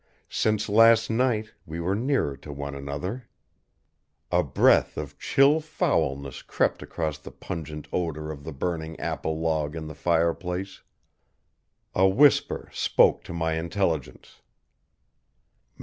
Since last night, we were nearer to one another. A breath of chill foulness crept across the pungent odor of the burning apple log in the fireplace. A whisper spoke to my intelligence.